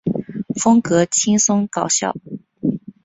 风格轻松搞笑。